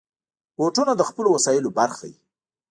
بوټونه د خپلو وسایلو برخه وي.